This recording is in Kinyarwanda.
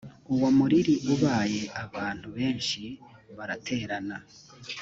uwo muriri ubaye abantu benshi baraterana